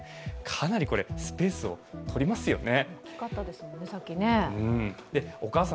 かなりスペースをとりますよね。